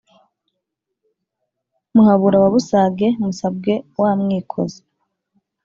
muhabura wa busage, musabwa wa mwikozi,